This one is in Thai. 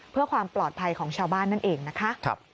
เพื่อความปลอดภัยของชาวบ้านนั่นเองนะคะ